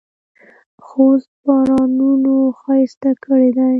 خوست بارانونو ښایسته کړی دی.